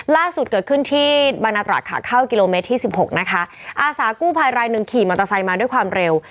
ล่าสุดเกิดขึ้นที่บางนาตราขาเข้ากิโลเมตรที่สิบหกนะคะอาสากู้ภัยรายหนึ่งขี่มอเตอร์ไซค์มาด้วยความเร็ว